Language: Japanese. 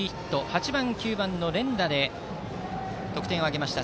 ８番、９番の連打で得点を挙げました。